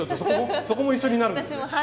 そこも一緒になるんですね。